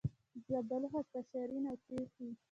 د زردالو خسته شیرین او تریخ وي.